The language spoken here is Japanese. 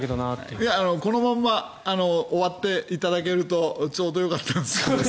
いやこのまま終わっていただけるとちょうどよかったんですが。